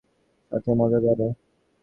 সাথে মজাদারও।